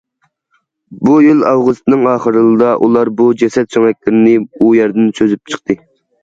بۇ يىل ئاۋغۇستنىڭ ئاخىرلىرىدا، ئۇلار بۇ جەسەت سۆڭەكلىرىنى ئۇ يەردىن سۈزۈپ چىقتى.